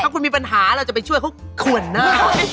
คุณมีปัญหาเราจะไปช่วยเขาขวนหน้า